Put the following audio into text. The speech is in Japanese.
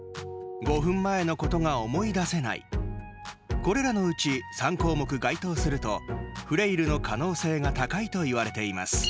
これらのうち３項目該当するとフレイルの可能性が高いといわれています。